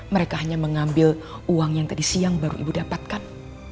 mereka hanya mengambil uang yang tadi siang baru ibu dapatkan